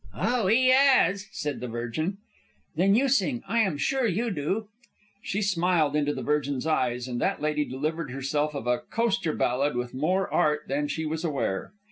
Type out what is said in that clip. "Oh, 'e 'as!" said the Virgin. "Then you sing. I am sure you do." She smiled into the Virgin's eyes, and that lady delivered herself of a coster ballad with more art than she was aware.